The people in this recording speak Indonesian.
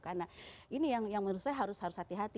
karena ini yang menurut saya harus hati hati